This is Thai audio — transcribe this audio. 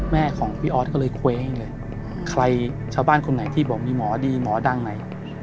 แม่ของพี่ออสก็เลยคุยให้เลยใครชาวบ้านคนไหนที่บอกมีหมอดีหมอดังไหน